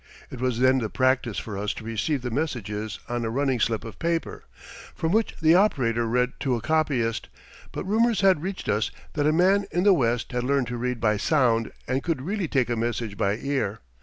It was then the practice for us to receive the messages on a running slip of paper, from which the operator read to a copyist, but rumors had reached us that a man in the West had learned to read by sound and could really take a message by ear.